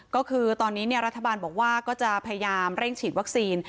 ก็คือตอนนี้รัฐบาลบอกว่าก็จะพยายามเร่งฉีดวัคซีน